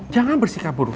jangan bersikap buruk